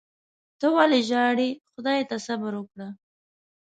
ته ولي ژاړې . خدای ته صبر وکړه